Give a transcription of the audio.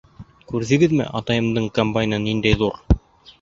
— Күрҙегеҙме, атайымдың комбайны ниндәй ҙур!